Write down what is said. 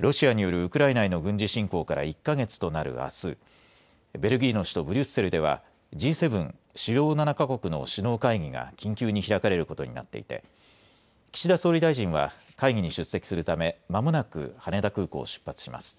ロシアによるウクライナへの軍事侵攻から１か月となる、あすベルギーの首都ブリュッセルではＧ７、主要７か国の首脳会議が緊急に開かれることになっていて岸田総理大臣は会議に出席するためまもなく羽田空港を出発します。